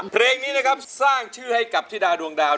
เพลงนี้นะครับสร้างชื่อให้กับธิดาดวงดาว